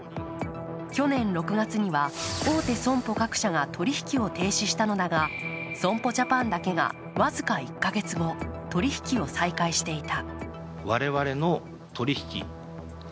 去年６月には大手損保各社が取り引きを停止したのだが、損保ジャパンだけが僅か１か月後、取り引きを再開していた。